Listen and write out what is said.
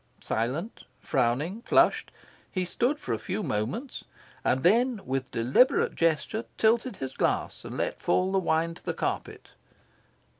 Silent, frowning, flushed, he stood for a few moments, and then, with a deliberate gesture, tilted his glass and let fall the wine to the carpet.